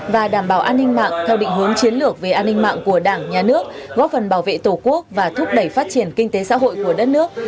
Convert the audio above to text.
và đảm bảo an ninh mạng theo định hướng chiến lược về an ninh mạng của đảng nhà nước góp phần bảo vệ tổ quốc và thúc đẩy phát triển kinh tế xã hội của đất nước